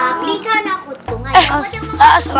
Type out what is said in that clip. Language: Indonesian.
amalika nafutu ngaihkot om